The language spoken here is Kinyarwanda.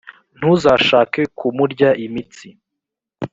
ntuzashake kumurya imitsi.